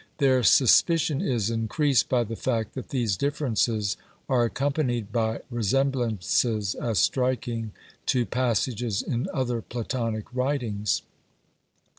Their suspicion is increased by the fact that these differences are accompanied by resemblances as striking to passages in other Platonic writings.